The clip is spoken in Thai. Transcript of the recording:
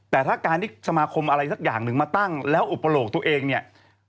แต่ถ้าการที่สมาคมอะไรสักอย่างหนึ่งมาตั้งแล้วอุปโลกตัวเองเนี่ย